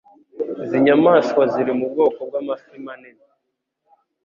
Izi nyamaswa ziri mu bwoko bw'amafi manini;